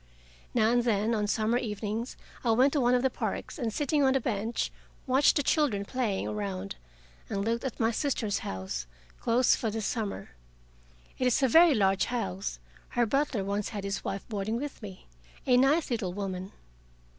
Now and then on summer evenings I went to one of the parks, and sitting on a bench, watched the children playing around, and looked at my sister's house, closed for the summer. It is a very large house: her butler once had his wife boarding with me a nice little woman.